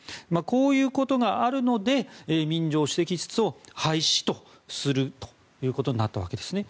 こういうことがあるので民情首席室を廃止とするとなったわけですね。